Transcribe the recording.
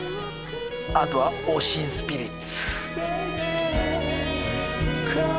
あとはおしんスピリッツ。